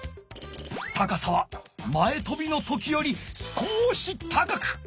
高さは前とびの時より少し高く。